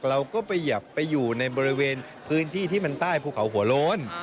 เราก็ไปอยู่ในบริเวณพื้นที่ที่มันใต้ภูเขาหัวโล้น